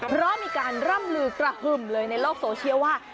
เพราะมีการร่ำลือกระหึ่มเลยในโลกโซเชียลว่า